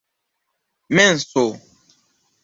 menso